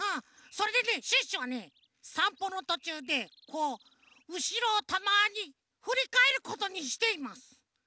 それでねシュッシュはねさんぽのとちゅうでこううしろをたまにふりかえることにしています。